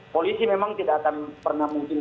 polisi memang tidak akan pernah mungkin